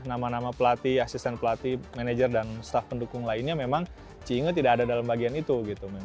nama nama pelatih asisten pelatih manajer dan staff pendukung lainnya memang si inge tidak ada dalam bagian itu